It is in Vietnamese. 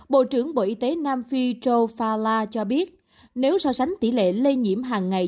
bộ trưởng bộ y tế nam phi trâu phala cho biết nếu so sánh tỷ lệ lây nhiễm hàng ngày